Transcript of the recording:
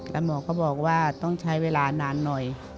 แล้วหมอก็บอกว่าต้องใช้เวลานานหน่อย